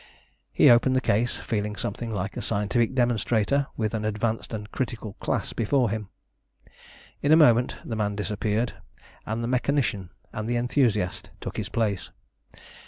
He opened the case, feeling something like a scientific demonstrator, with an advanced and critical class before him. In a moment the man disappeared, and the mechanician and the enthusiast took his place.